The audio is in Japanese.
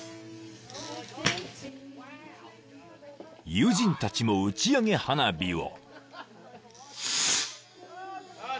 ［友人たちも打ち上げ花火を］